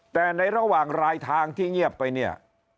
แต่ในระหว่างรายทางที่เงียบไปเนี่ย